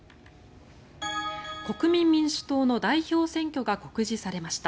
国民民主党の代表選挙が告示されました。